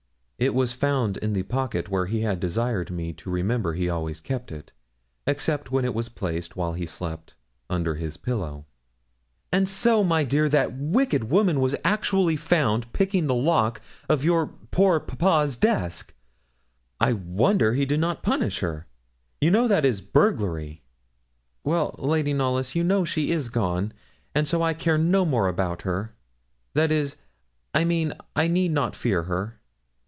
It was found in the pocket where he had desired me to remember he always kept it, except when it was placed, while he slept, under his pillow. 'And so, my dear, that wicked woman was actually found picking the lock of your poor papa's desk. I wonder he did not punish her you know that is burglary.' 'Well, Lady Knollys, you know she is gone, and so I care no more about her that is, I mean, I need not fear her.'